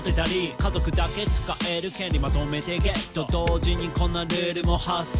「家族だけ使える権利まとめてゲット」「同時にこんなルールも発生」